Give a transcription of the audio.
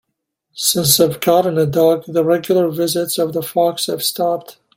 Since I've gotten a dog, the regular visits of the fox have stopped.